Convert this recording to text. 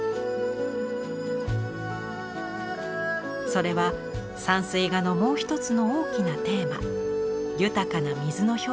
それは山水画のもう一つの大きなテーマ豊かな水の表現です。